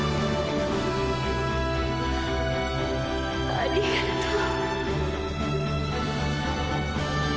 ありがとう。